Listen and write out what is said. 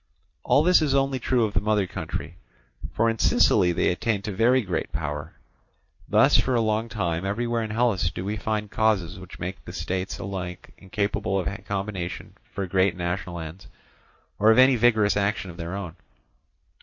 All this is only true of the mother country, for in Sicily they attained to very great power. Thus for a long time everywhere in Hellas do we find causes which make the states alike incapable of combination for great and national ends, or of any vigorous action of their own.